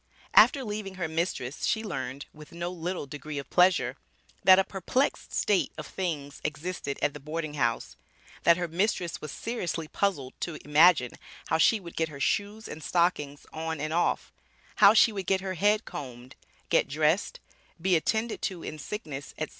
After leaving her mistress she learned, with no little degree of pleasure, that a perplexed state of things existed at the boarding house; that her mistress was seriously puzzled to imagine how she would get her shoes and stockings on and off; how she would get her head combed, get dressed, be attended to in sickness, etc.